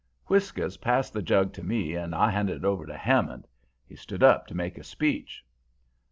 "Whiskers passed the jug to me and I handed it over to Hammond. He stood up to make a speech.